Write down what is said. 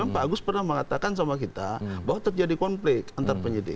pak agus pernah mengatakan sama kita bahwa terjadi konflik antar penyidik